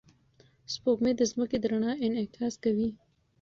سپوږمۍ د ځمکې د رڼا انعکاس کوي.